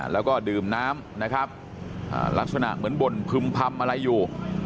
แล้วก็ดื่มน้ำนะครับลักษณะเหมือนบ่นพึ่มพำอะไรอยู่